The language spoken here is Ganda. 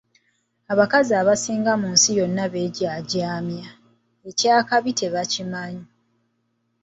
Abakazi abasinga mu nsi yonna beejaajaamya, eky’akabi tebakimanyi.